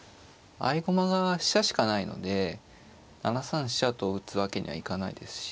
合駒が飛車しかないので７三飛車と打つわけにはいかないですし。